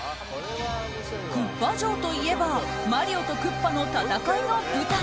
クッパ城といえばマリオとクッパの戦いの舞台。